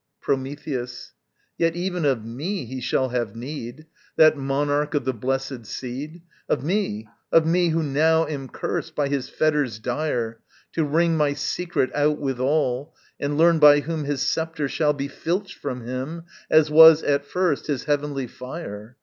Prometheus. Yet even of me he shall have need, That monarch of the blessed seed, Of me, of me, who now am cursed By his fetters dire, To wring my secret out withal And learn by whom his sceptre shall Be filched from him as was, at first, His heavenly fire.